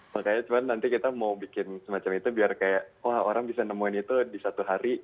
makanya cuma nanti kita mau bikin semacam itu biar kayak wah orang bisa nemuin itu di satu hari